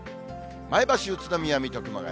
前橋、宇都宮、水戸、熊谷。